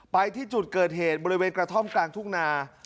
ไปที่จุดเกิดเหตุบริเวณกระท่อมกลางทุ่งนา